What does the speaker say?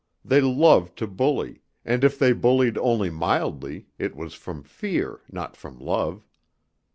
They loved to bully, and if they bullied only mildly, it was from fear, not from love.